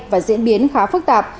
và diễn biến khá phức tạp